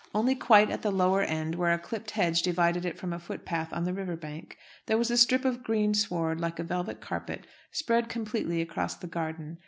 Only quite at the lower end, where a clipped hedge divided it from a footpath on the river bank, there was a strip of green sward like a velvet carpet, spread completely across the garden.